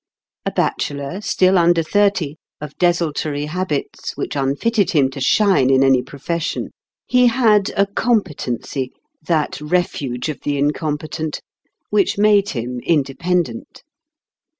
A bachelor, still under thirty, of desultory hab its which unfitted him to shine in any pro fession, he had a competency that refuge of the incompetent which made him independ ent.